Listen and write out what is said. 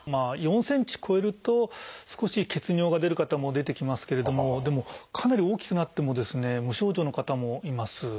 ４ｃｍ超えると少し血尿が出る方も出てきますけれどもでもかなり大きくなってもですね無症状の方もいます。